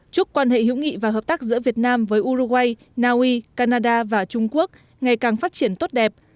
chúc quan hệ hữu nghị và hợp tác giữa việt nam với uruguay naui canada và trung quốc ngày càng phát triển tốt đẹp